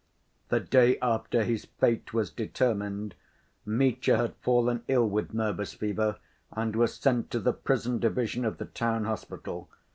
The day after his fate was determined, Mitya had fallen ill with nervous fever, and was sent to the prison division of the town hospital.